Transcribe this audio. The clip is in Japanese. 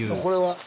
これは？